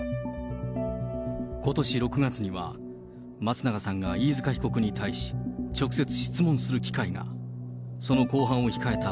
ことし６月には、松永さんが飯塚被告に対し、直接質問する機会が。